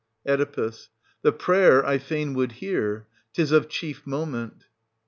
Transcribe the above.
Oe. The prayer I fain would hear — 'tis of chief moment. Ch.